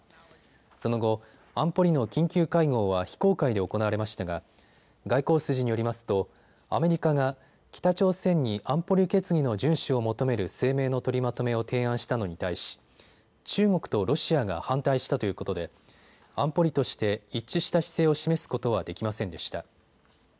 その後、安保理の緊急会合は非公開で行われましたが外交筋によりますとアメリカが北朝鮮に安保理決議の順守を求める声明の取りまとめを提案したのに対し、中国とロシアが反対したということで安保理として一致した姿勢を示すことはできませんでした。